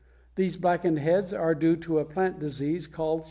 These blackened heads are due to a plant disease called smut.